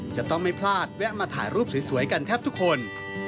จะต้องไม่พลาดแวะมาถ่ายรูปสวยกันแทบทุกคน